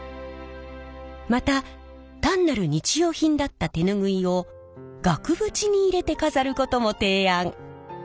また単なる日用品だった手ぬぐいを額縁に入れて飾ることも提案。